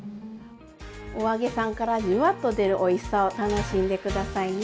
お揚げさんからジュワッと出るおいしさを楽しんで下さいね。